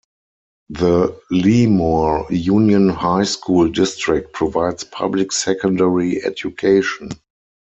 The Lemoore Union High School District provides public secondary education.